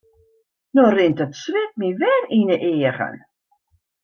No rint it swit my wer yn 'e eagen.